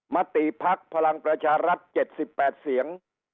มติภักดิ์พลังประชารัฐ๗๘เสียง